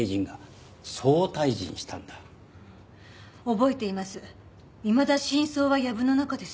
覚えています。